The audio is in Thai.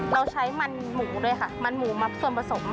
เราใช้มันหมูด้วยค่ะมันหมูมับส่วนผสม